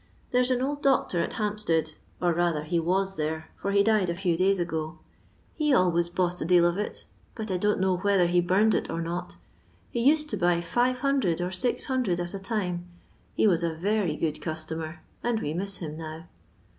There 's an old doctor at Hampstead rather he wai there, tot he died a few days ago— he always bought a deal of it, but I don*i know whether he*bumed it or not; he used to buy 500 or 600 at a time, he was a yery good customer, and we miss him now.